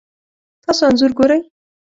تاسو انځور ګورئ